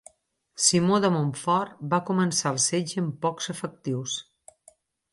Simó de Montfort va començar el setge amb pocs efectius.